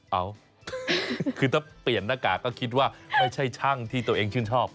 เอาคือถ้าเปลี่ยนหน้ากากก็คิดว่าไม่ใช่ช่างที่ตัวเองชื่นชอบ